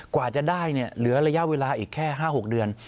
กว่าจะได้เหลือระยะเวลาอีกแค่๕๖เดือน